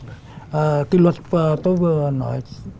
cái luật tôi vừa nói